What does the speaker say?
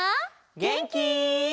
げんき？